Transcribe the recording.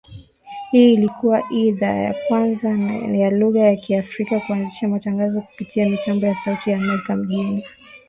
Hii ilikua idhaa ya kwanza ya lugha ya Kiafrika kuanzisha matangazo kupitia mitambo ya Sauti ya Amerika mjini Washington